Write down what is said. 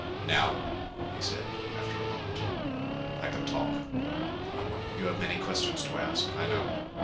"Now," he said, after a moment, "I can talk. You have many questions to ask, I know.